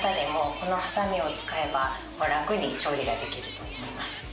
このハサミを使えば楽に調理ができると思います